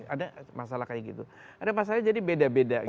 ada masalah kayak gitu ada masalah jadi beda beda gitu